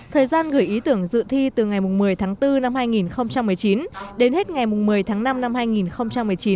thời gian gửi ý tưởng dự thi từ ngày một mươi tháng bốn năm hai nghìn một mươi chín đến hết ngày một mươi tháng năm năm hai nghìn một mươi chín